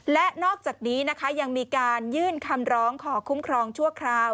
และนอกจากนี้นะคะยังมีการยื่นคำร้องขอคุ้มครองชั่วคราว